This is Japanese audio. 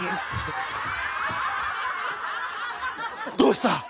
どうした？